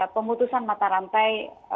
pemutusan mata rantai